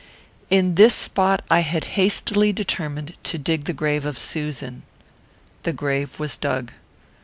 In this spot I had hastily determined to dig the grave of Susan. The grave was dug.